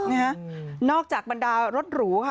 นะฮะนอกจากบรรดารถหรูค่ะ